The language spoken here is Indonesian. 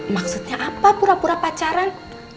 maksudnya apa pura pura pacaran